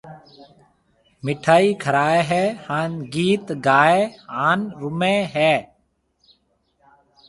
مِٺائِي کرائيَ ھيََََ ھان گيت ڪائيَ ھان رُمَي ھيََََ